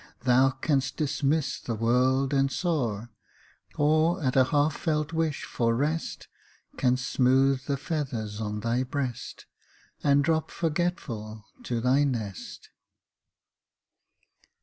Thou canst dismiss the world and soar, Or, at a half felt wish for rest. Canst smooth the feathers on thy breast, And drop, forgetful, to thy nest.